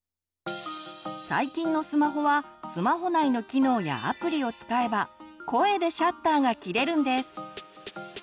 最近のスマホはスマホ内の機能やアプリを使えば声でシャッターがきれるんです。